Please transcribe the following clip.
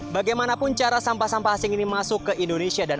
bagaimanapun cara sampah sampah asing ini masuk ke indonesia